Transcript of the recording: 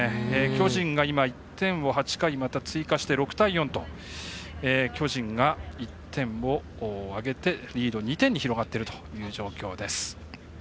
巨人が今、１点を８回に追加して６対４と巨人が１点を挙げてリード、２点に広がっているという状況です。